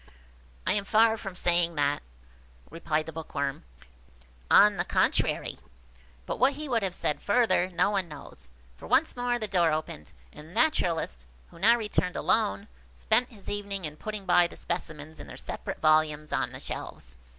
"I am far from saying that," replied the Bookworm; "on the contrary–" But what he would have said further no one knows, for once more the door opened, and the Naturalist, who now returned alone, spent his evening in putting by the specimens in their separate volumes on the shelves.